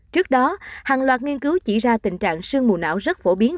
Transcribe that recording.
trước đó hàng loạt nghiên cứu chỉ ra tình trạng sương mù não rất phổ biến